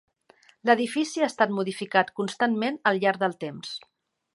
L'edifici ha estat modificat constantment al llarg del temps.